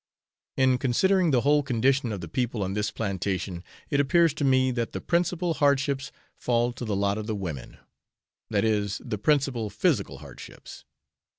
In considering the whole condition of the people on this plantation, it appears to me that the principal hardships fall to the lot of the women; that is, the principal physical hardships.